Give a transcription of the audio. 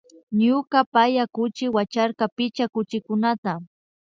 Ñuka paya kuchi wacharka picha kuchikukunata